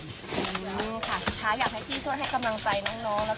ขออยากให้พี่ช่วยให้กำลังใจนะน้อง